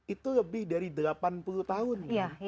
itu lebih dari delapan puluh tahun